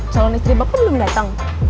salon istri bapak belum datang